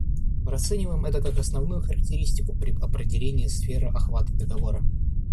Мы расцениваем это как основную характеристику при определении сферы охвата договора.